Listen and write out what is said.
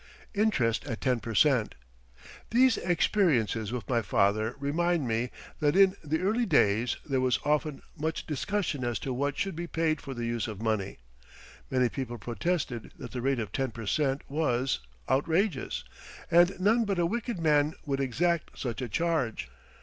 INTEREST AT 10 PER CENT. These experiences with my father remind me that in the early days there was often much discussion as to what should be paid for the use of money. Many people protested that the rate of 10 per cent. was outrageous, and none but a wicked man would exact such a charge.